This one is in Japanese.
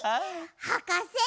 はかせ！